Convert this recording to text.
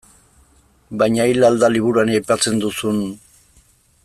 Baina hil al da liburuan aipatzen duzun.